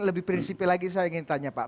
lebih prinsipil lagi saya ingin tanya pak